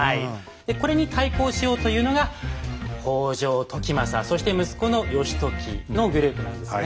でこれに対抗しようというのが北条時政そして息子の義時のグループなんですね。